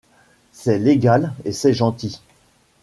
C’est légal, et c’est gentil.